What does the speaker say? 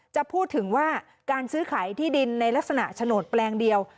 จะพูดถึงว่าการซื้อขายที่ดินในลักษณะโฉนดแปลงเดียว